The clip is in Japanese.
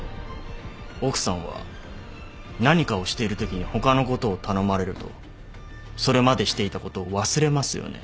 奥さんは何かをしているときに他のことを頼まれるとそれまでしていたことを忘れますよね。